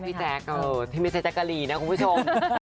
พี่แจ๊กพี่แจ๊กกะหลีนะคุณผู้ชม